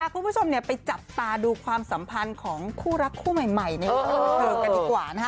คุณผู้ชมเนี่ยไปจับตาดูความสัมพันธ์ของคู่รักคู่ใหม่ในวิทยาลัยเตอร์กันดีกว่านะฮะ